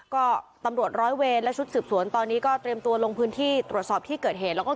ก็ตำรวจร้อยเวรและชุดสืบสวนตอนนี้ก็เตรียมตัวลงพื้นที่ตรวจสอบที่เกิดเหตุแล้วก็